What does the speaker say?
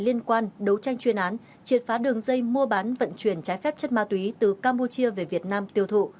liên quan đấu tranh chuyên án triệt phá đường dây mua bán vận chuyển trái phép chất ma túy từ campuchia về việt nam tiêu thụ